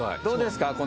どうですか？